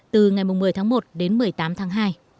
từ ngày một mươi tháng một đến một mươi tám tháng hai